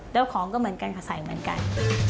แล้วของก็เหมือนกันค่ะใส่เหมือนกัน